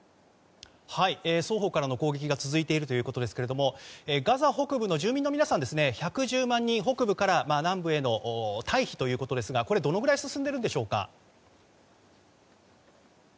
双方からの攻撃が続いているということですがガザ北部の住民の皆さん１１０万人が北部から南部への退避ということですがこれ、どのくらい進んでいるんでしょうか。